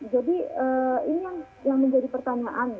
jadi ini yang menjadi pertanyaan